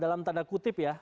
dalam tanda kutip ya